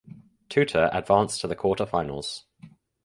Teuta advanced to the quarter finals.